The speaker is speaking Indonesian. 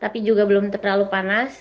tapi juga belum terlalu panas